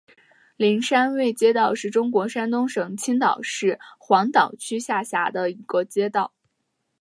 灵山卫街道是中国山东省青岛市黄岛区下辖的一个街道。